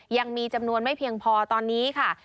ยังมีจำนวนไม่เพียงพอตอนนี้ค่ะ